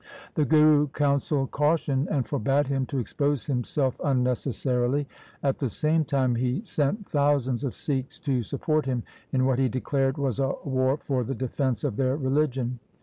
The Guru counselled caution, and forbade him to expose him self unnecessarily. At the same time he sent thou sands of Sikhs to support him in what he declared was a war for the defence of their religion.